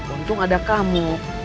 untung ada kamu